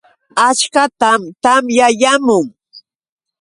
Achkatam tamyayaamun.